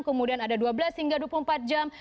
kemudian ada dua belas hingga dua puluh empat jam